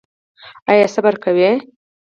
ایا صبر کوئ؟